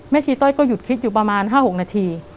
ชีต้อยก็หยุดคิดอยู่ประมาณ๕๖นาที